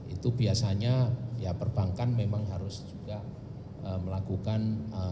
itu biasanya ya perbankan memang harus juga melakukan